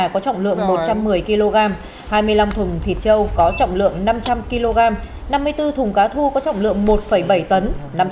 có trọng lượng một trăm một mươi kg hai mươi năm thùng thịt châu có trọng lượng năm trăm linh kg năm mươi bốn thùng cá thu có trọng lượng một bảy tấn